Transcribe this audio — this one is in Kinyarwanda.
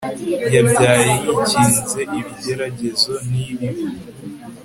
Yabyaye yikinze ibigeragezo nibibi